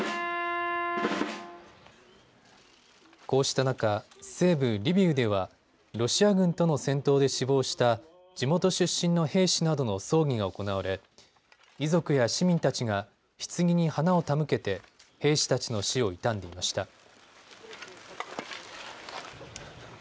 こうした中、西部リビウではロシア軍との戦闘で死亡した地元出身の兵士などの葬儀が行われ遺族や市民たちがひつぎに花を手向けて兵士たちの死を悼んでいました。